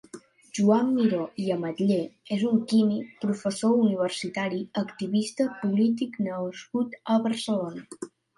Joan Miró i Ametller és un químic, professor universitari, activista, polític nascut a Barcelona.